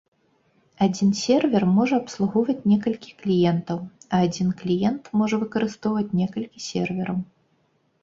Адзін сервер можа абслугоўваць некалькі кліентаў, а адзін кліент можа выкарыстоўваць некалькі сервераў.